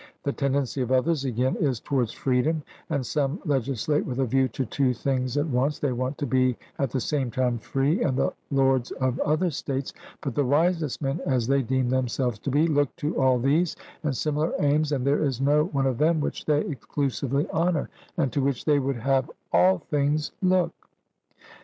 The tendency of others, again, is towards freedom; and some legislate with a view to two things at once they want to be at the same time free and the lords of other states; but the wisest men, as they deem themselves to be, look to all these and similar aims, and there is no one of them which they exclusively honour, and to which they would have all things look.